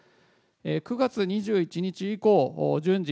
９月２１日以降、順次、